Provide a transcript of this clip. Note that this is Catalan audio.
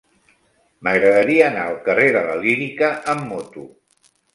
M'agradaria anar al carrer de la Lírica amb moto.